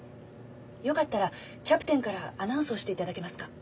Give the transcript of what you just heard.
よかったらキャプテンからアナウンスをしていただけますか？